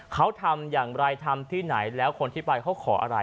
เขาทำอย่างไรทำที่ไหนแล้วคนที่ไปเขาขออะไร